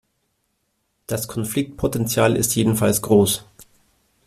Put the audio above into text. Das Konfliktpotenzial ist jedenfalls groß.